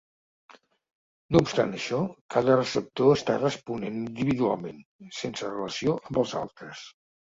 No obstant això, cada receptor està responent individualment, sense relació amb els altres.